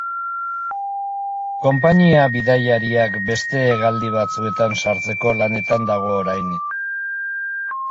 Konpainia bidaiariak beste hegaldi batzuetan sartzeko lanetan dago orain.